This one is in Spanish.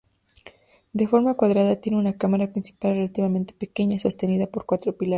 De forma cuadrada, tiene una cámara principal relativamente pequeña, sostenida por cuatro pilares.